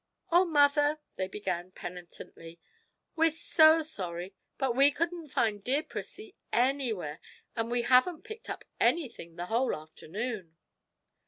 'Oh, mother,' they began penitently, 'we're so sorry, but we couldn't find dear Prissie anywhere, so we haven't picked up anything the whole afternoon!'